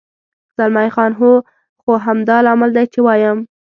زلمی خان: هو، خو همدا لامل دی، چې وایم.